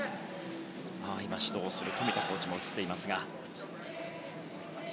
指導するコーチも映っています。